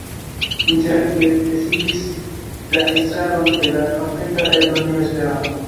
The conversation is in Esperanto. Interalie, li prezidis la estraron de la norvega Eldonejo Esperanto.